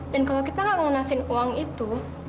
dan kalau kita gak ngunasiin uang itu